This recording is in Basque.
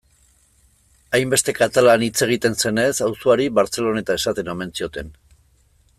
Hainbeste katalan hitz egiten zenez, auzoari Barceloneta esaten omen zioten.